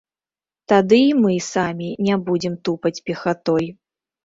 Тады і мы самі не будзем тупаць пехатой.